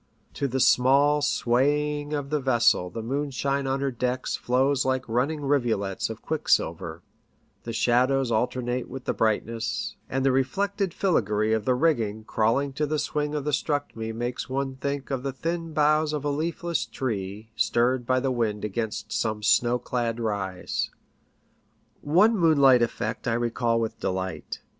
To the small sway ing of the vessel the moonshine on her decks flows like running rivulets of quicksilver ; the shadows alternate with the brightness, and the reflected filigree of the rigging crawling to the swing of the structm'e makes one think of the thin boughs of a leafless tree stirred by the wind against some snow clad rise. One moonlight effect I recall with delight.